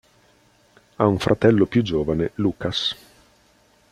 Ha un fratello più giovane, Lukas.